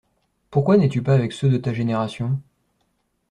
Pourquoi n'es-tu pas avec ceux de ta génération ?